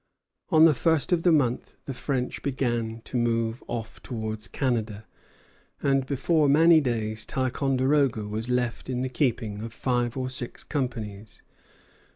On the first of the month the French began to move off towards Canada, and before many days Ticonderoga was left in the keeping of five or six companies.